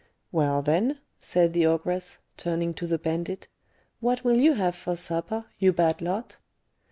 "Well, then," said the ogress, turning to the bandit, "what will you have for supper, you 'bad lot?'"